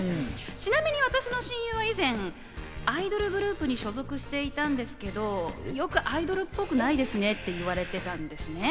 ちなみに私の親友は以前アイドルグループに所属していたんですけど、よくアイドルっぽくないですねって言われてたんですね。